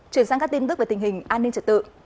chuyển sang các tin tức về tình hình an ninh trật tự